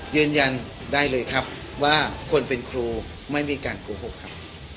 ยืนยันได้เลยครับว่าคนเป็นครูไม่มีการโกหกครับ